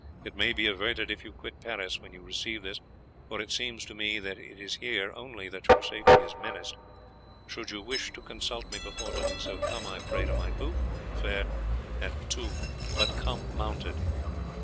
It may be averted if you quit Paris when you receive this, for it seems to me that it is here only that your safety is menaced. Should you wish to consult me before doing so, come, I pray you, to my booth in the fair at two, but come mounted.